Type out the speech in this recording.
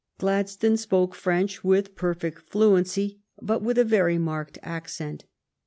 Gladstone spoke French with perfect fluency, but with a very marked accent.